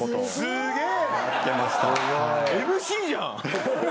すげえ！